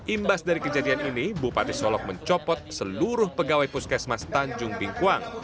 imbas dari kejadian ini bupati solok mencopot seluruh pegawai puskesmas tanjung bingkuang